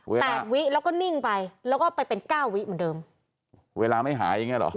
แปดวิแล้วก็นิ่งไปแล้วก็ไปเป็นเก้าวิเหมือนเดิมเวลาไม่หายอย่างเงี้เหรอ